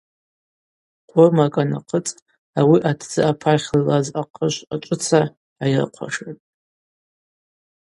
Къомракӏ анахъыцӏ ауи атдзы апахьла йлаз ахъышв ачӏвыца гӏайрыхъвашатӏ.